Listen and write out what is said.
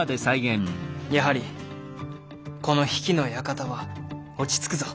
やはりこの比企の館は落ち着くぞ。